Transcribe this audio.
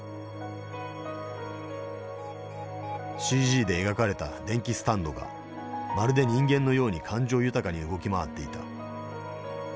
ＣＧで描かれた電気スタンドがまるで人間のように感情豊かに動き回っていた。